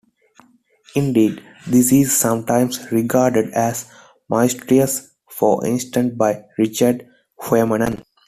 Indeed, this is sometimes regarded as "mysterious", for instance by Richard Feynman.